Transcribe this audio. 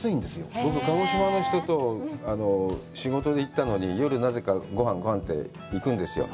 僕、鹿児島の人と仕事で行ったのに、夜なぜか、ごはんごはんって行くんですよ。